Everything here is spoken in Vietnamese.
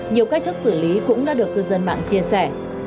nhiều cách thức xử lý cũng đã được cư dân mạng chia sẻ